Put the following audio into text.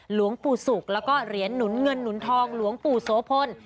หลวงปู่ศุกร์แล้วก็เหรียญหนุนเงินหนุนทองหลวงปู่โสพล